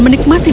pak kita mulai